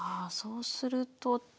そうすると。